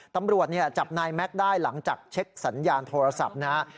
ตำรวจจับนายแม็กซ์ได้หลังจากเช็คสัญญาณโทรศัพท์นะฮะ